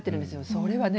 それはね